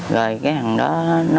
rồi cái thằng đó nó